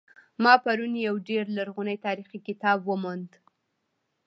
ما پرون یو ډیر لرغنۍتاریخي کتاب وموند